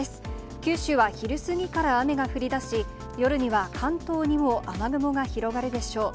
九州は昼過ぎから雨が降りだし、夜には関東にも雨雲が広がるでしょう。